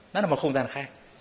nó là một không gian khác